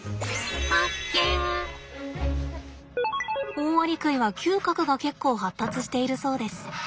オオアリクイは嗅覚が結構発達しているそうです。